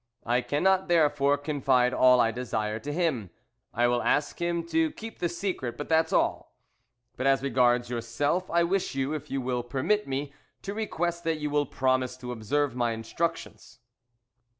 I cannot, therefore, confide all I desire to him. I will ask him to keep the secret, that's all. But as regards yourself, I wish you, if you will permit me, to request that you will promise to observe my instructions."